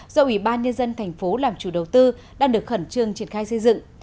do ủy ban nhân dân thành phố làm chủ đầu tư đang được khẩn trương triển khai xây dựng